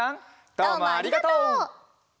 どうもありがとう！